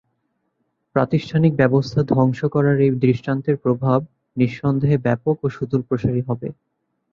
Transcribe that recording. প্রাতিষ্ঠানিক ব্যবস্থা ধ্বংস করার এই দৃষ্টান্তের প্রভাব নিঃসন্দেহে ব্যাপক ও সুদূরপ্রসারী হবে।